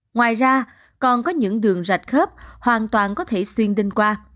ngoài ra còn có những đường rạch khớp hoàn toàn có thể xuyên đinh quang